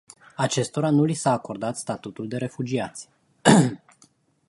Acestora nu li s-a acordat statutul de refugiați.